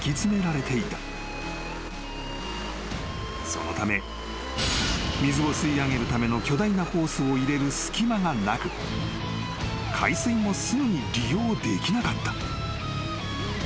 ［そのため水を吸い上げるための巨大なホースを入れる隙間がなく海水もすぐに利用できなかった］